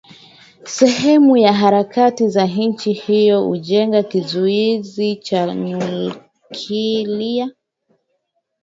sehemu ya harakati za nchi hiyo kujenga kizuizi cha nyuklia